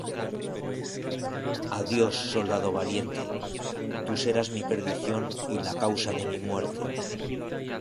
“Adiós, soldado valiente” Tú serás mi perdición y la causa de mi muerte